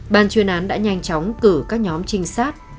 ban chuyên án đã nhanh chóng cử các nhóm trinh sát